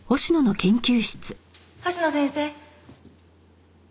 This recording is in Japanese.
星野先生。